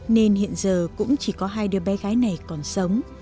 nên hiện giờ cũng chỉ có hai đứa bé gái này còn sống